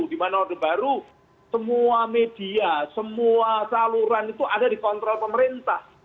di mana orde baru semua media semua saluran itu ada di kontrol pemerintah